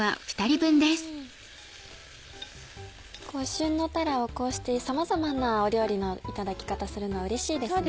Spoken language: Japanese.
旬のたらをこうしてさまざまな料理のいただき方するのはうれしいですね。